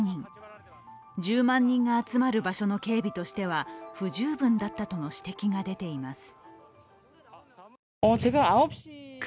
１０万人が集まる場所の警備としては不十分だったとの指摘が出ています。